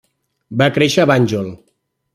Va créixer a Banjul.